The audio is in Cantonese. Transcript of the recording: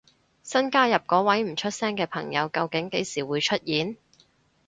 新加入嗰位唔出聲嘅朋友究竟幾時會出現？